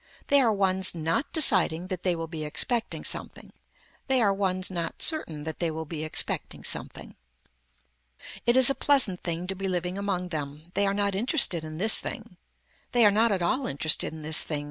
They are ones not deciding that they will be expecting something. They are ones not certain that they will be expecting something. It is a pleasant thing to be living among them. They are not interested in this thing. They are not at all interested in this thing.